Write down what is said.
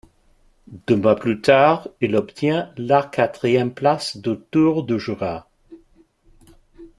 Deux mois plus tard, il obtient la quatrième place du Tour du Jura.